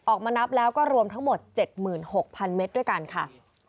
ออกมานับแล้วก็รวมทั้งหมด๗๖๐๐๐เมตรด้วยกันค่ะ